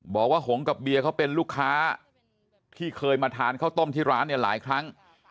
บอกว่าหงกับเบียร์เขาเป็นลูกค้าที่เคยมาทานข้าวต้มที่ร้านเนี่ยหลายครั้ง